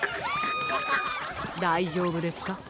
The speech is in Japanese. だいじょうぶですか？